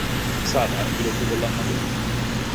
Sorry, আমি বিরক্ত করলাম না তো?